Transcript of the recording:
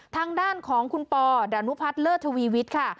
ทางด้านของคุณปอดานุพัฒน์เลิศทวีวิทย์ค่ะ